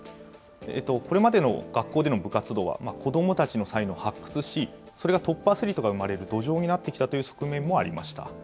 これまでの学校での部活動は、子どもたちの才能を発掘し、それがトップアスリートが生まれる土壌になってきたという側面もありました。